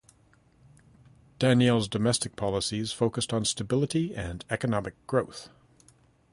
Daniel's domestic policies focused on stability and economic growth.